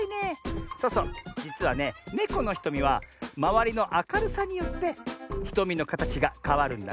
そうそうじつはねネコのひとみはまわりのあかるさによってひとみのかたちがかわるんだね。